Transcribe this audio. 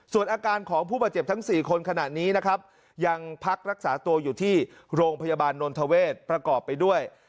ส่วนอาการของผู้บาดเจ็บทั้ง๔คนขณะนี้นะครับยังพักรักษาตัวอยู่ที่โรงพยาบาลนนทเวศประกอบไปด้วย